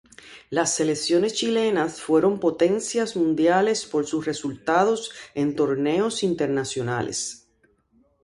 Las selecciones chilenas fueron potencias mundiales por sus resultados en torneos internacionales.